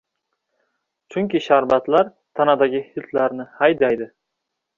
Chunki sharbatlar tanadagi hiltlarni haydaydi.